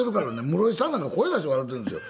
室井さんなんか声出して笑っているんですよ。